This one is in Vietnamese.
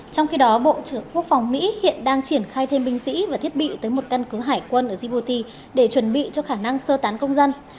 trong khi đó bộ trưởng quốc phòng mỹ hiện đang triển khai thêm binh sĩ và thiết bị tới một căn cứ hải quân ở djuti để chuẩn bị cho khả năng sơ tán công dân